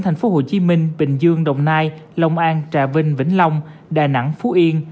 thành phố hồ chí minh bình dương đồng nai lông an trà vinh vĩnh long đà nẵng phú yên